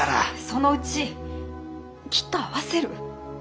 そのうちきっと会わせる。